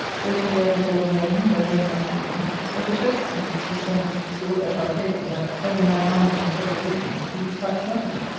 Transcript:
So to the office all the morning, where very much business, but it vexes me to see so much disorder at our table, that, every man minding a several business, we dispatch nothing.